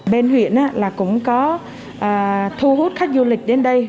bên huyện là cũng có thu hút khách du lịch đến đây